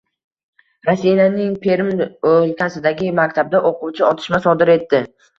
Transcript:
Rossiyaning Perm o‘lkasidagi maktabda o‘quvchi otishma sodir etdi